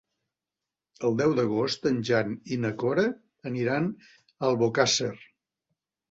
El deu d'agost en Jan i na Cora aniran a Albocàsser.